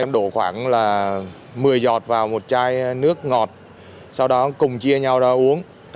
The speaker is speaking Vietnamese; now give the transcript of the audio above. đổ khoảng là một mươi giọt vào một chai nước ngọt sau đó cùng chia nhau ra uống